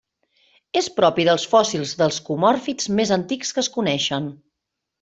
És propi dels fòssils dels cormòfits més antics que es coneixen.